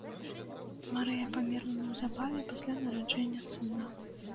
Марыя памерла неўзабаве пасля нараджэння сына.